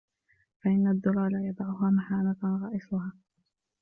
فَإِنَّ الدُّرَّةَ لَا يَضَعُهَا مُهَانَةً غَائِصُهَا